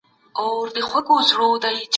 دا جرګه د هیواد له پاره ولي مهمه ده؟